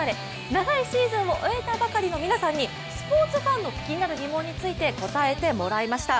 長いシーズンを終えたばかりの皆さんにスポーツファンの気になる疑問について答えてもらいました。